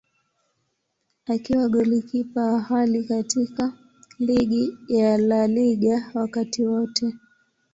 Akiwa golikipa wa ghali katika ligi ya La Liga wakati wote.